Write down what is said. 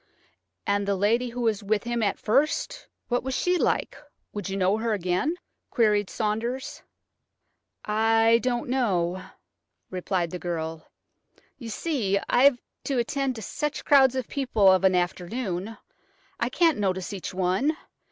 "And the lady who was with him at first, what was she like? Would you know her again?" queried Saunders. "I don't know," replied the girl; "you see, I have to attend to such crowds of people of an afternoon, I can't notice each one.